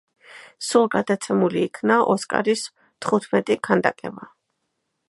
სულ გადაცემული იქნა „ოსკარის“ თხუთმეტი ქანდაკება.